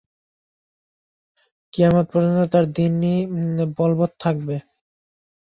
কিয়ামত পর্যন্ত তাঁর দীনই বলবৎ থাকবে।